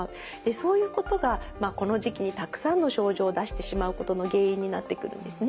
そういうことがこの時期にたくさんの症状を出してしまうことの原因になってくるんですね。